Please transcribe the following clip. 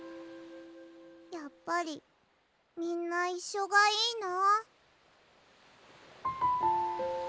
やっぱりみんないっしょがいいな。